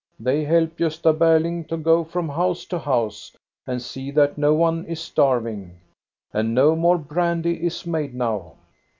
They help Gosta Berling to go from house to house and see that no one is starv ing. And no more brandy is made now."